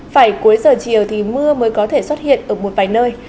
phải cuối giờ chiều thì mưa mới có thể xuất hiện ở một vài nơi